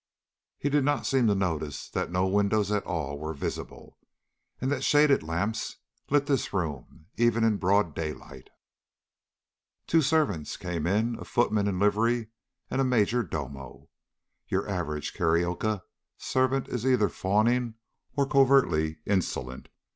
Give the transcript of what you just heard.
He did not seem to notice that no windows at all were visible, and that shaded lamps lit this room, even in broad daylight. Two servants came in, a footman in livery and the major domo. Your average Carioca servant is either fawning or covertly insolent.